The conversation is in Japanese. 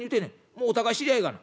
もうお互い知り合いやがな」。